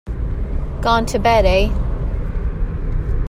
Gone to bed, eh?